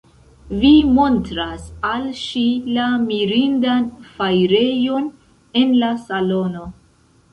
Vi montras al ŝi la mirindan fajrejon en la salono.